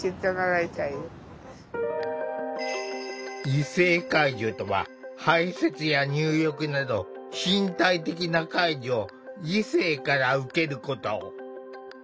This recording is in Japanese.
異性介助とは排せつや入浴など身体的な介助を異性から受けること。